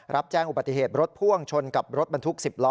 รับแจ้งอุบัติเหตุรถพ่วงชนกับรถบรรทุก๑๐ล้อ